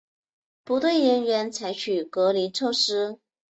不对人员采取隔离措施